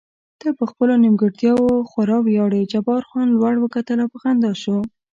ته په خپلو نیمګړتیاوو خورا ویاړې، جبار خان لوړ وکتل او په خندا شو.